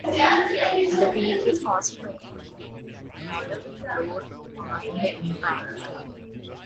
The peak is caused by a rebound of the crater floor following the impact.